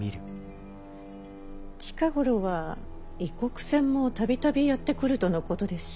近頃は異国船も度々やって来るとのことですし。